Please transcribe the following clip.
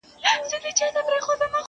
• د نقاش په قلم جوړ وو سر ترنوکه..